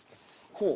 ほう。